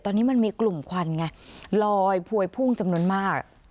ตอนนี้มันมีกลุ่มควันไงลอยพวยพุ่งจำนวนมาก